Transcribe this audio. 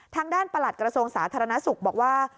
ประหลัดกระทรวงสาธารณสุขบอกว่า